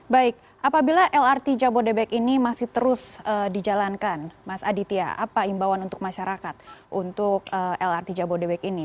baik apabila lrt jabodebek ini masih terus dijalankan mas aditya apa imbauan untuk masyarakat untuk lrt jabodebek ini